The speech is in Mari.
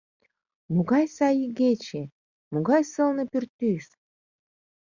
— Могай сай игече, могай сылне пӱртӱс!